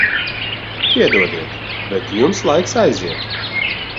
Piedodiet, bet jums laiks aiziet.